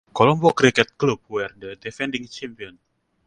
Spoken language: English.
Colombo Cricket Club were the defending champions.